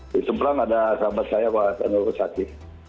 di tempran ada sahabat saya pak aksanul kossasi